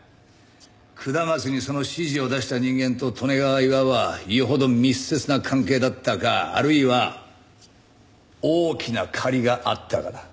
下松にその指示を出した人間と利根川巌はよほど密接な関係だったかあるいは大きな借りがあったかだ。